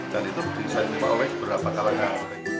dan itu bisa diminta oleh beberapa kalangan